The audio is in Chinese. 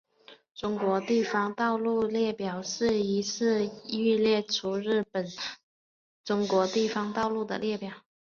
中国地方道路列表是依区域列出日本中国地方道路的列表。